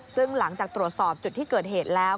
ซึ่งหลังจากตรวจสอบจุดที่เกิดเหตุแล้ว